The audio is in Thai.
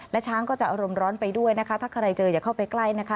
และช้างก็จะอารมณ์ร้อนไปด้วยนะคะถ้าใครเจออย่าเข้าไปใกล้นะคะ